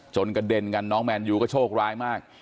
กระเด็นกันน้องแมนยูก็โชคร้ายมาก